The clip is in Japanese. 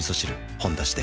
「ほんだし」で